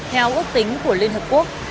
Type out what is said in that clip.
theo ước tính của liên hợp quốc